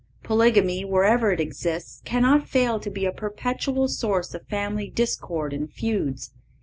Polygamy, wherever it exists, cannot fail to be a perpetual source of family discord and feuds.